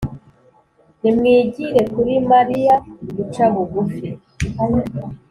nimwigire kuri mariya guca bugufi